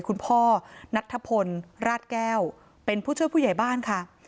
คุณพ่อนัทธพลราชแก้วเป็นผู้ช่วยผู้ใหญ่บ้านค่ะ